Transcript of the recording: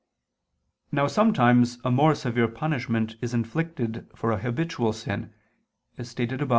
Now sometimes a more severe punishment is inflicted for an habitual sin (as stated above, I II, Q.